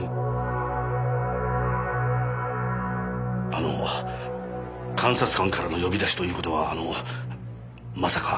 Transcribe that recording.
あの監察官からの呼び出しという事はあのまさか。